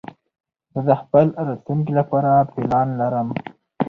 زه د خپل راتلونکي لپاره پلان لرم.